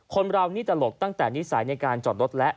คนเรานี่ตลกตั้งแต่นิสัยในการจอดรถและ